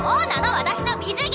私の水着！